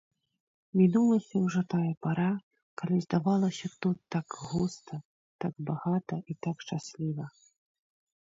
Мінулася ўжо тая пара, калі здавалася тут так густа, так багата і так шчасліва.